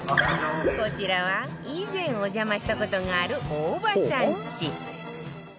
こちらは以前お邪魔した事がある大場さんち